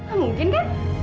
gak mungkin kan